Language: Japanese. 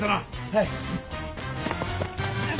はい。